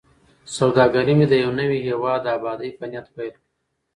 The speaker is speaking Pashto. سوداګري مې د یوه نوي هیواد د ابادۍ په نیت پیل کړه.